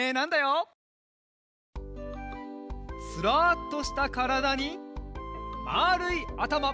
すらっとしたからだにまるいあたま。